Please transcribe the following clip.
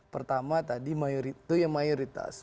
pertama tadi itu yang mayoritas